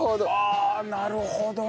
なるほど！